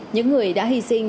những người đã hy sinh